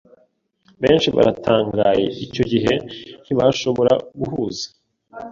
Benshi baratangaye icyo gihe ntibashobora guhuza